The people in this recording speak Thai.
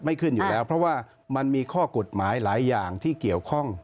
ขึ้นอยู่แล้วเพราะว่ามันมีข้อกฎหมายหลายอย่างที่เกี่ยวข้อง